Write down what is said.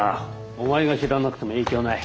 お前が知らなくても影響ない。